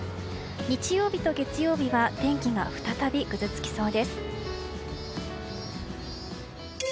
日曜日と月曜日は天気が再びぐずつきそうです。